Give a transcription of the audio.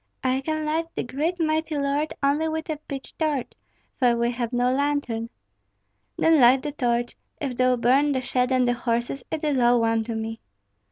"I can light the great mighty lord only with a pitch torch, for we have no lantern." "Then light the torch; if thou burn the shed and the horses, it is all one to me."